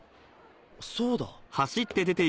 そうだ。